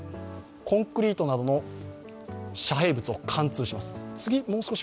コンクリートなどの遮へい物を貫通します。